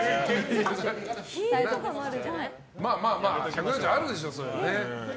１７０あるでしょ、それは。